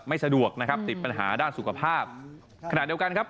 สะดวกนะครับติดปัญหาด้านสุขภาพขณะเดียวกันครับ